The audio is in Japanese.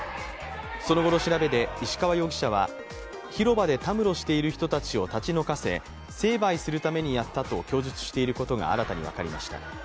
その後の調べで石川容疑者は広場でたむろしている人たちを立ち退かせ成敗するためにやったと供述していることが新たに分かりました。